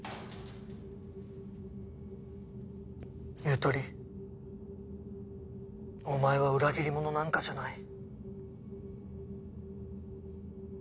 ゆとりお前は裏切り者なんかじゃない。